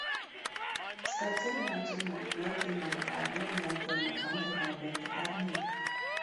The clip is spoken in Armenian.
Ստեղծել է նատյուրմորտներ, դիմանկարներ, նաև կրոնական թեմաներով կտավներ։